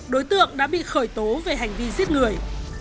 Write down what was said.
đối tượng đã bị khởi tố về hành vi giết người